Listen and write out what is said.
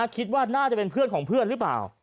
คิดว่าน่าจะเป็นเพื่อนของเพื่อนหรือเปล่า